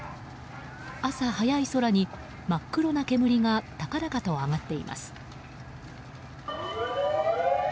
朝早い空に真っ黒な煙が高々と上がっています。